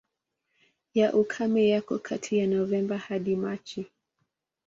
Ya ukame yako kati ya Novemba hadi Machi.